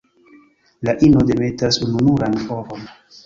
La ino demetas ununuran ovon.